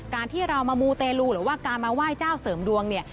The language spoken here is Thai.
การที่เรามามูเตลูหรือว่าการมาไหว้เจ้าเสริมดวงเนี่ย